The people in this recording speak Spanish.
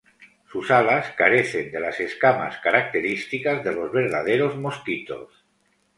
Sus alas carecen de las escamas características de los verdaderos mosquitos.